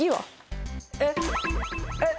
えっ？えっ？